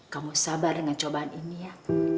kamu sabar dengan cobaan ini ya